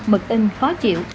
mực in khó chịu